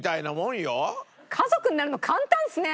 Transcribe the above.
家族になるの簡単っすね。